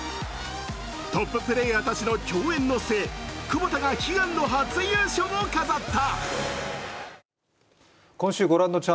トッププレイヤーたちの競演の末クボタが悲願の初優勝を果たした。